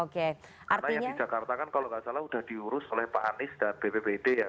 karena yang di jakarta kan kalau nggak salah udah diurus oleh pak anies dan bppd ya